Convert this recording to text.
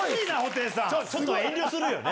ちょっと遠慮するよね！